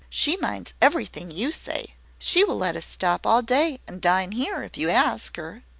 She minds everything you say. She will let us stop all day, and dine here, if you ask her."